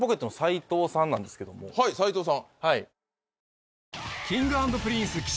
はい斉藤さん。